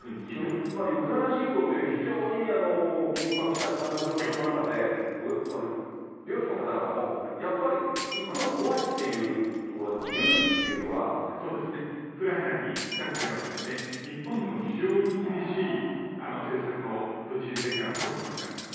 つまりウクライナ侵攻という、非常に緊迫した悲惨な状況の中で、漁師の方々も、やっぱり行くの怖いっていうところ、そうですね、ウクライナだけではなくて、日本にも非常に厳しい政策を、プーチン政権は取ってますから。